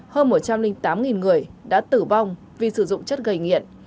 hơn một trăm linh tám người đã tử vong vì sử dụng chất gây nghiện